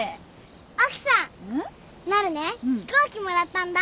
奥さんなるね飛行機もらったんだ。